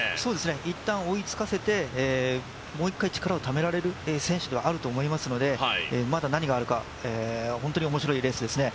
いったん追いつかせてもう一回ためられる選手ではあると思いますのでまだ何があるか、本当に面白いレースですね。